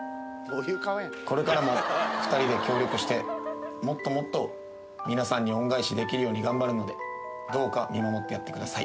これからも２人で協力して、もっともっと皆さんに恩返しができるように頑張るので、どうか見守ってやってください。